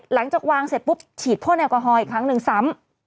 หลังจากวางเสร็จปุ๊บฉีดพ่นแอลกอฮอลอีกครั้งหนึ่งซ้ำ